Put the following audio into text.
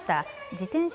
自転車